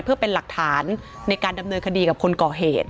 เพื่อเป็นหลักฐานในการดำเนินคดีกับคนก่อเหตุ